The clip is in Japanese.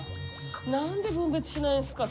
何で分別しないんですか？